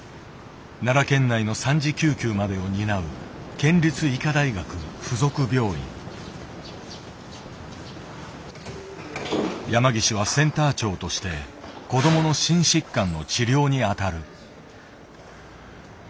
奈良県内の３次救急までを担う山岸はセンター長として子どもの心疾患の治療に当たる。